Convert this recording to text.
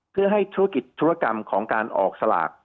เพื่อให้ธุรกิจธุรกรรมของการออกสลาก